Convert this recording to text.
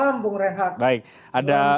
malam bung rehat